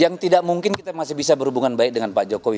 yang tidak mungkin kita masih bisa berhubungan baik dengan pak jokowi